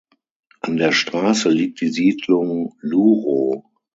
An der Straße liegt die Siedlung Luro.